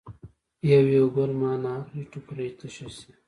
یو یو ګل مانه اخلي ټوکرۍ تشه شي.